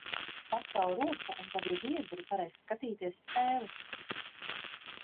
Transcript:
Pacel roku un tavi biedri varēs skatīties spēli!